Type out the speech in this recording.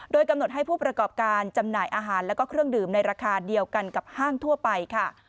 โดยกำหนดให้ผู้ประกอบการจำหน่ายอาหารแล้วก็เครื่องดื่มในราคาเดียวกันกับห้างทั่วไปค่ะ